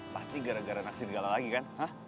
pasti gara gara naksir gala lagi kan